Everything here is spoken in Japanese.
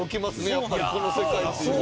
やっぱりこの世界っていうのは。